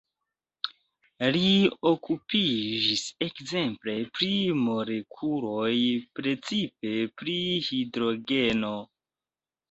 Li okupiĝis ekzemple pri molekuloj, precipe pri hidrogeno.